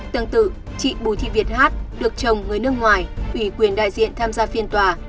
tương tự chị bùi thị việt hát được chồng người nước ngoài ủy quyền đại diện tham gia phiên tòa